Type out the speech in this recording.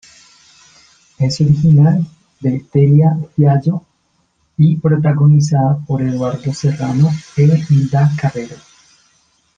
Es original de Delia Fiallo y protagonizada por Eduardo Serrano e Hilda Carrero.